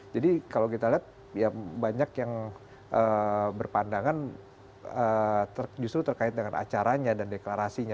jadi kalau kita lihat ya banyak yang berpandangan justru terkait dengan acaranya dan deklarasinya